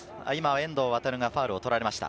遠藤航がファウルを取られました。